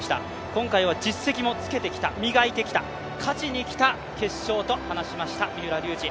今回は実績もつけてきた、磨いてきた、勝ちに来た決勝と話しました三浦龍司。